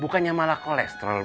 bukannya malah kolesterol bu